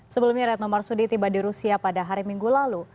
sebelumnya retno marsudi tiba di rusia pada hari minggu lalu